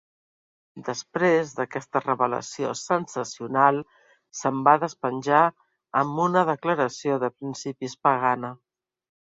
Després d'aquesta revelació sensacional se'm va despenjar amb una declaració de principis pagana.